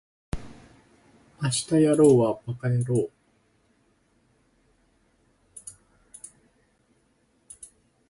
明日やろうはバカやろう